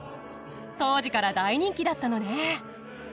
当時から大人気だったのね。